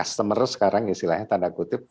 semeres sekarang ya silahkan tanda kutip